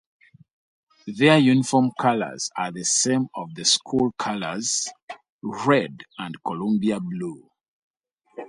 Their uniform colors are the same of the school colors, red and Columbia blue.